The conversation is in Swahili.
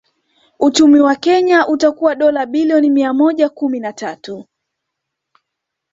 Uchumi wa Kenya utakuwa dola bilioni mia moja kumi na tatu